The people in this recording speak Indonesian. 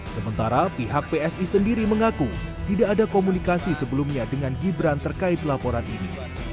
sementara pihak psi sendiri mengaku tidak ada komunikasi sebelumnya dengan gibran terkait laporan ini